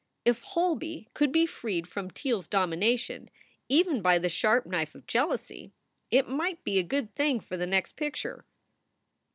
If Holby could be freed from Teele s domination, even by the sharp knife of jealousy, it might be a good thing for the next picture.